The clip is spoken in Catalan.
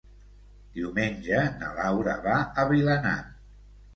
Diumenge na Laura va a Vilanant.